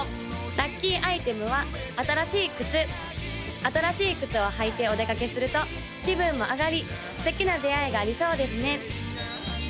・ラッキーアイテムは新しい靴新しい靴を履いてお出かけすると気分も上がり素敵な出会いがありそうですね